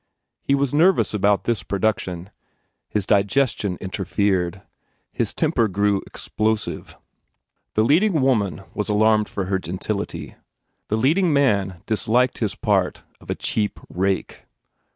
He was nervous about this production. His digestion interfered. His temper grew explosive. The leading woman was alarmed for her gentility. The leading man disliked his part of a cheap rake.